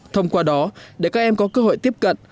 thông qua đó để các em có cơ hội tiếp cận